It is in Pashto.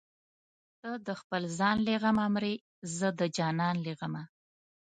ته د خپل ځان له غمه مرې زه د جانان له غمه